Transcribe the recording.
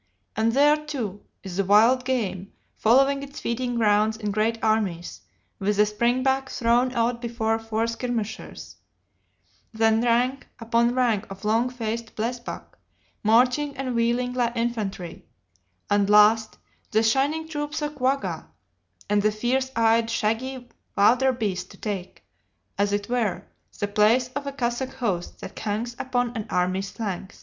And there, too, is the wild game, following its feeding grounds in great armies, with the springbuck thrown out before for skirmishers; then rank upon rank of long faced blesbuck, marching and wheeling like infantry; and last the shining troops of quagga, and the fierce eyed shaggy vilderbeeste to take, as it were, the place of the cossack host that hangs upon an army's flanks.